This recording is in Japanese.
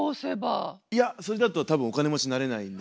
いやそれだと多分お金持ちになれないんで。